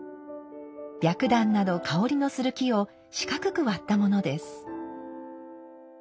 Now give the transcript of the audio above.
白檀など香りのする木を四角く割ったものです。